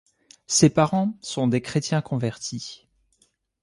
Ses parents sont des chrétiens convertis.